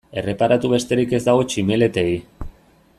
Erreparatu besterik ez dago tximeletei.